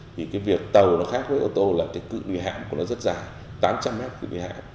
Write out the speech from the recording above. thì cái việc tàu nó khác với ô tô là cái cự nguy hạm của nó rất dài tám trăm linh mét cự nguy hạm